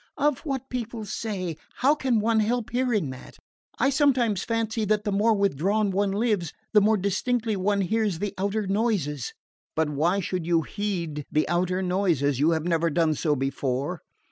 "Of what people say how can one help hearing that? I sometimes fancy that the more withdrawn one lives the more distinctly one hears the outer noises." "But why should you heed the outer noises? You have never done so before."